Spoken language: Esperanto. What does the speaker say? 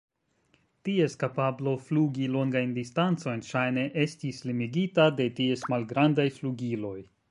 Ties kapablo flugi longajn distancojn ŝajne estis limigita de ties malgrandaj flugiloj.